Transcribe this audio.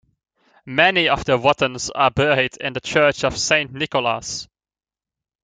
Many of the Wottons are buried in the Church of Saint Nicholas.